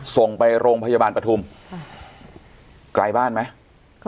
ส่งไปโรงพยาบาลปฐุมไกลบ้านไหม